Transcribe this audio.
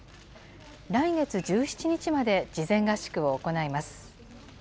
来月１７日まで事前合宿を行います。